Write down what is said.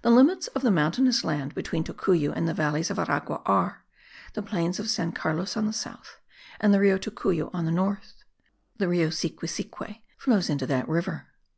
The limits of the mountainous land between Tocuyo and the valleys of Aragua are, the plains of San Carlos on the south, and the Rio Tocuyo on the north; the Rio Siquisique flows into that river.